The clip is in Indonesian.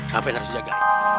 kapan harus jaga